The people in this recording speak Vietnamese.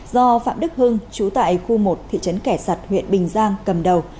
do phạm đức hưng chú tại khu một thị trấn kẻ sạt huyện bình giang cầm đầu